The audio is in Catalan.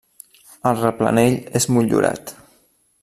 El replanell és motllurat.